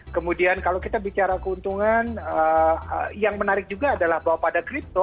kemudian kalau kita bicara keuntungan yang menarik juga adalah bahwa pada kripto